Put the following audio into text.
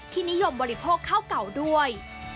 นิยมบริโภคข้าวเก่าด้วย